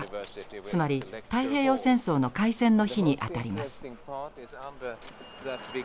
つまり太平洋戦争の開戦の日に当たります。